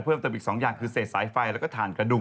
เพิ่มเติมอีก๒อย่างคือเศษสายไฟแล้วก็ถ่านกระดุง